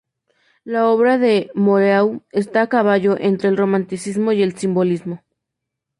La obra de Moreau está a caballo entre el Romanticismo y el Simbolismo.